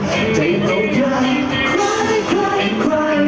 ฉันจะรักสุดใจให้ทุกคนพูดออกไป